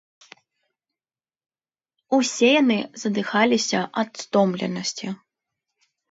Усе яны задыхаліся ад стомленасці.